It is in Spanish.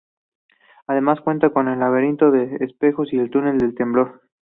Además cuenta con un laberinto de espejos y el túnel del temblor.